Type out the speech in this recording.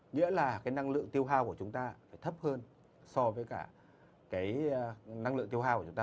nghĩa là cái năng lượng tiêu hao của chúng ta phải thấp hơn so với cả cái năng lượng tiêu hao của chúng ta